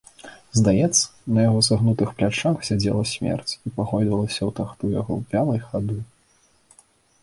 Здаецца, на яго сагнутых плячах сядзела смерць і пагойдвалася ў тахту яго вялай хады.